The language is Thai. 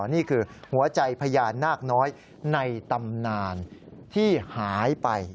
นี่คือหัวใจพญานาคน้อยในตำนานที่หายไป